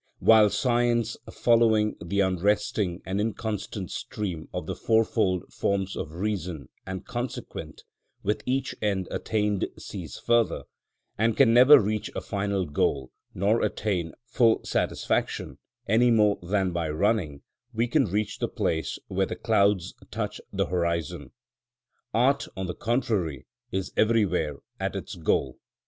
While science, following the unresting and inconstant stream of the fourfold forms of reason and consequent, with each end attained sees further, and can never reach a final goal nor attain full satisfaction, any more than by running we can reach the place where the clouds touch the horizon; art, on the contrary, is everywhere at its goal.